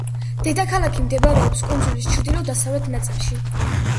დედაქალაქი მდებარეობს კუნძულის ჩრდილო-დასავლეთ ნაწილში.